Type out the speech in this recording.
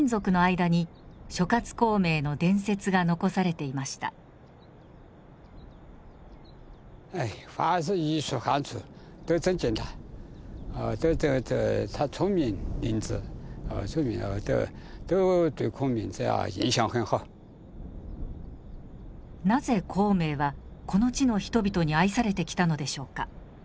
なぜ孔明はこの地の人々に愛されてきたのでしょうか？